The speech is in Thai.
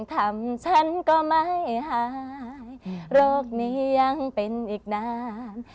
ถ้าเธอยังทำ